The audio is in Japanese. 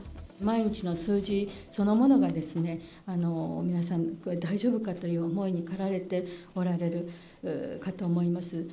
毎日の数字そのものが、皆さん、これ大丈夫かという思いに駆られておられるかと思います。